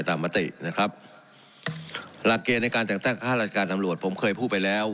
มตินะครับหลักเกณฑ์ในการแต่งตั้งข้าราชการตำรวจผมเคยพูดไปแล้ว